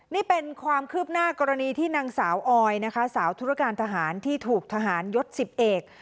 นี่เป็นความคืบหน้ากรณีที่นางสาวออยนะคะสาวธุรการทหารที่ถูกทหารยศสิบเอก